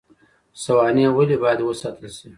سوانح ولې باید وساتل شي؟